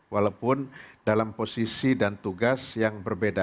walaupun dalam posisi dan tugas yang berbeda